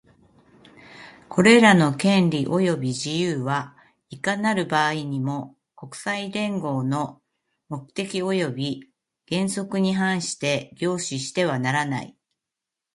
これらの権利及び自由は、いかなる場合にも、国際連合の目的及び原則に反して行使してはならない。